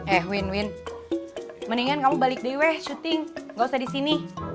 eh win win mendingan kamu balik day weh syuting gak usah di sini